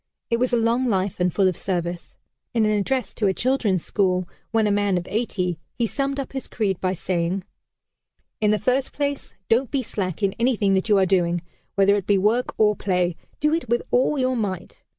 It was a long life and full of service. In an address to a children's school, when a man of eighty, he summed up his creed by saying: "In the first place, don't be slack in anything that you are doing. Whether it be work or play, do it with all your might.